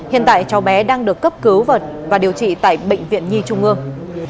hiện tại cháu bé đang được cấp cứu và điều trị tại bệnh viện nhi trung ương